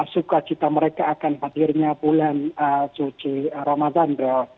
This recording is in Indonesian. sukacita mereka akan hadirnya bulan suci ramadan